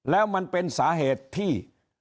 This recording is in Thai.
แล้วมันเป็นสาเหตุที่